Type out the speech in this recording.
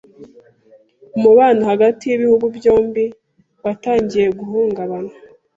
Umubano hagati yibihugu byombi watangiye guhungabana